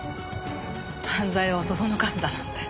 犯罪をそそのかすだなんて。